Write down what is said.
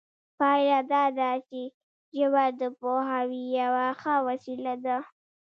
پایله دا ده چې ژبه د پوهاوي یوه ښه وسیله ده